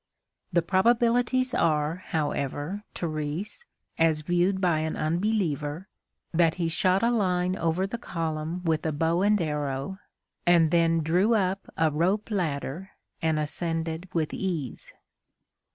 The probabilities are, however, Terese, as viewed by an unbeliever, that he shot a line over the column with a bow and arrow and then drew up a rope ladder and ascended with ease.